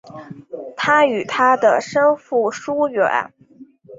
他与他的生父疏远。